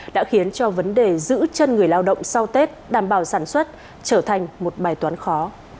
đã khiến cho vấn đề giữ chân người lao động sau tết đảm bảo sản xuất trở thành một bài toán khó